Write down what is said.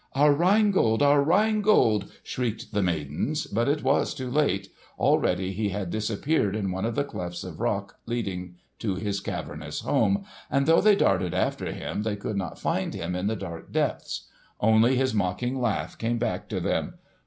"Our Rhine Gold! Our Rhine Gold!" shrieked the maidens. But it was too late; already he had disappeared in one of the clefts of rock leading to his cavernous home, and though they darted after him they could not find him in the dark depths. Only his mocking laugh came back to them.